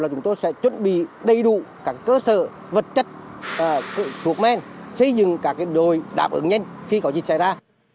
chúng tôi sẽ chuẩn bị đầy đủ các cơ sở vật chất thuốc men xây dựng các đồi đáp ứng nhanh khi có dịch xảy ra